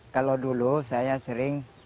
kalau dulu saya sering